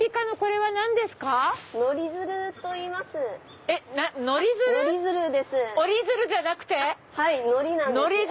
はい「乗り」なんです。